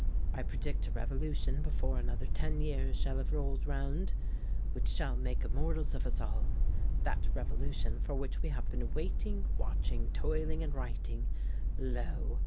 I predict a revolution before another ten years shall have rolled round, which shall make immortals of us all that revolution for which we have been waiting, watching, toiling and writing, lo!